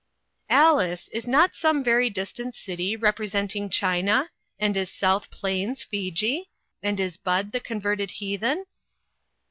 "Alice, is some not very distant city rep resenting China ? and is South Plains Fiji ? and is Bud the converted heathen